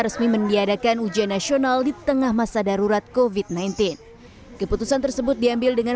resmi mendiadakan ujian nasional di tengah masa darurat kofit sembilan belas keputusan tersebut diambil dengan